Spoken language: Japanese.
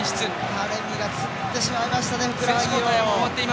タレミがつってしまいましたね